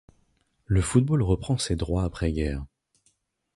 Le football reprend ses droits après-guerre.